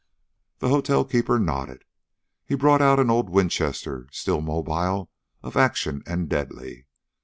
The hotelkeeper nodded. He brought out an old Winchester, still mobile of action and deadly.